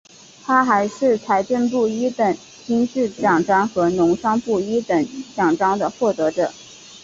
他还是财政部一等金质奖章和农商部一等奖章的获得者。